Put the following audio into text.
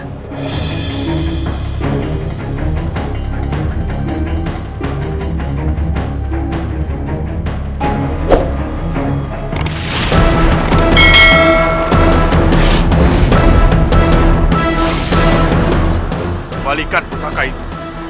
kembalikan pusaka itu